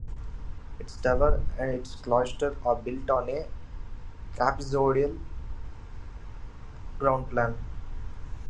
Its tower and its cloister are built on a trapezoidal ground-plan.